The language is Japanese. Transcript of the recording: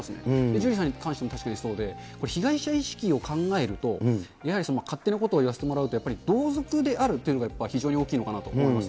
ジュリーさんに関しても確かにそうで、被害者意識を考えると、やはり勝手なことを言わせてもらうと、やっぱり同族であるというのがやっぱ非常に大きいのかなと思います。